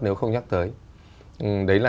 nếu không nhắc tới đấy là